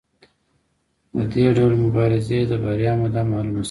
د دې ډول مبارزې د بریا موده معلومه شوې ده.